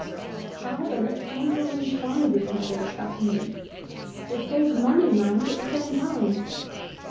However, let gentlemen try this method of fatting geese. It saves money, mind, at the same time.